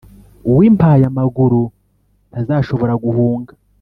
uw’impayamaguru ntazashobora guhunga,